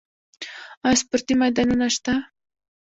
آیا سپورتي میدانونه شته؟